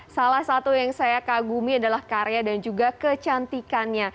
salah satu yang saya kagumi adalah karya dan juga kecantikannya